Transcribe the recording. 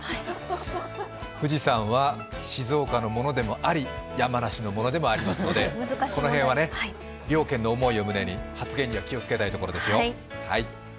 富士山は静岡のものでもあり山梨のものでもありますのでこの辺は両県の思いを胸に発言には気をつけたいところですよ。